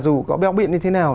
dù có béo biện như thế nào